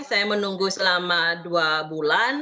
saya menunggu selama dua bulan